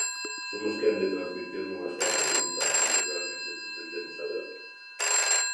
Somos quen de transmitir nunha soa pregunta o que realmente pretendemos saber?